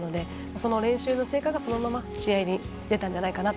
その練習の成果が、そのまま試合に出たんじゃないかなと。